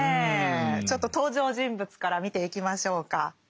ちょっと登場人物から見ていきましょうか。